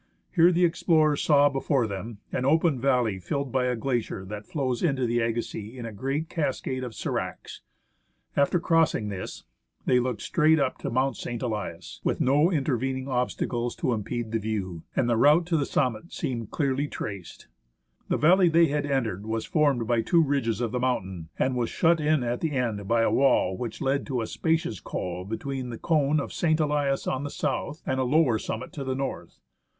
Here the explorers saw before them an open valley filled by a glacier that flows into the Agassiz in a great cascade of sdracs. After crossing this, they looked straight up to Mount St. Elias, with no intervening obstacles to impede the view, and the route to the 56 THE HISTORY OF MOUNT ST. ELIAS summit seemed clearly traced. The valley they had entered was formed by two ridges of the mountain, and was shut in at the end by a wall which led to a spacious col between the cone of St. Elias on the south and a lower summit to the north.